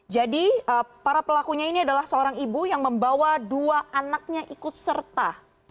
jadi para pelakunya ini adalah seorang ibu yang membawa dua anaknya ikut serta